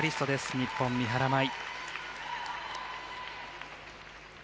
日本、三原舞依。